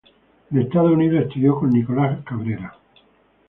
En Estados Unidos estudió con Nicolás Cabrera.